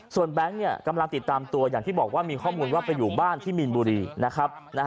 แบงค์กำลังติดตามตัวอย่างที่บอกว่ามีข้อมูลว่าไปอยู่บ้านที่มีนบุรีนะครับ